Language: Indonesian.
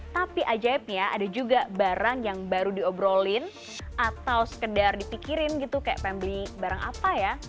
tapi ajaibnya ada juga barang yang baru diobrolin atau sekedar dipikirin gitu kayak pembeli barang apa ya